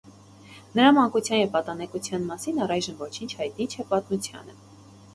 Նրա մանկության և պատանեկության մասին առայժմ ոչինչ հայտնի չէ պատմությանը։